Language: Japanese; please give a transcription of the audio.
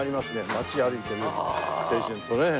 街歩いて青春とね。